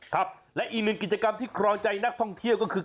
ครับและอีกหนึ่งกิจกรรมที่ครองใจนักท่องเที่ยวก็คือ